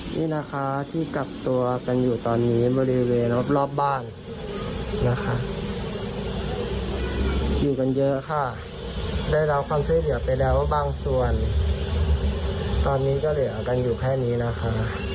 นี่นะคะที่กักตัวกันอยู่ตอนนี้บริเวณรอบบ้านนะคะอยู่กันเยอะค่ะได้รับความช่วยเหลือไปแล้วบางส่วนตอนนี้ก็เหลือกันอยู่แค่นี้นะคะ